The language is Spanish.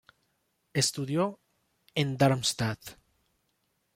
Estudió en Darmstadt.